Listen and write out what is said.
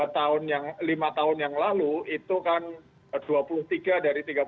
lima tahun yang lalu itu kan dua puluh tiga dari tiga puluh tiga